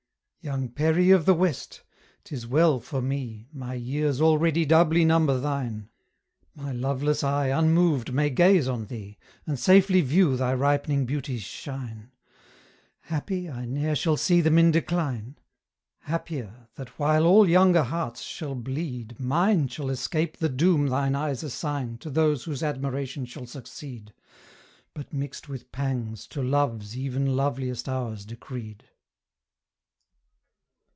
Young Peri of the West! 'tis well for me My years already doubly number thine; My loveless eye unmoved may gaze on thee, And safely view thy ripening beauties shine: Happy, I ne'er shall see them in decline; Happier, that while all younger hearts shall bleed Mine shall escape the doom thine eyes assign To those whose admiration shall succeed, But mixed with pangs to Love's even loveliest hours decreed.